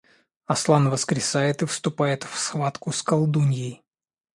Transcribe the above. Аслан воскресает и вступает в схватку с Колдуньей